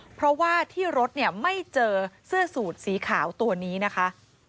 เพราะว่าที่รถเนี่ยไม่เจอเสื้อสูตรสีขาวตัวนี้นะคะ